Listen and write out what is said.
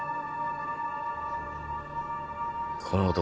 この男